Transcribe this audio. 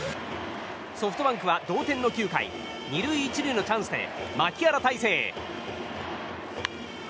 ソフトバンクは同点の９回２塁１塁のチャンスで牧原大成。